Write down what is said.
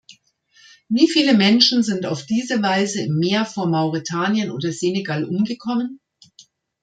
Wie viele Menschen sind auf diese Weise im Meer vor Mauretanien oder Senegal umgekommen?